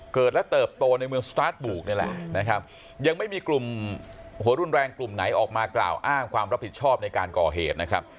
เกิดและเติบโตในเมืองสตาร์ทบุกนี่แหละนะครับยังไม่มีกลุ่มหัวรุนแรงกลุ่มไหนออกมากล่าวอ้างความรับผิดชอบในการก่อเหตุนะครับ